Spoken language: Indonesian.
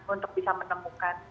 untuk bisa menemukan